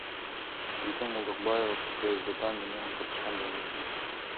Гүлкан Молдобекова, КСДП Мен катышкан да эмесмин.